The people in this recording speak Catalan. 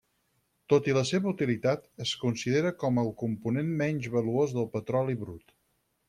Tot i la seva utilitat, es considera com el component menys valuós del petroli brut.